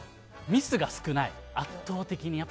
ミスが少ない、圧倒的に。